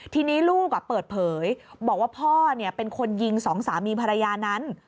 ทีนี้ลูกเปิดเผยบอกว่าพ่อเป็นคนยิงสองสามีภรรยานั้น